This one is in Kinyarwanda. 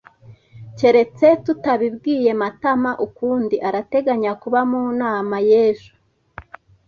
Keretse tutabibwiye Matama ukundi, arateganya kuba mu nama y'ejo.